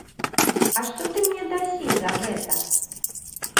А што ты мне дасі за гэта?